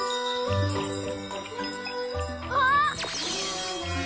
あっ！